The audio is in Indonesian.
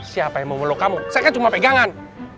siapa yang mau meluk kamu saya kan cuma pegangan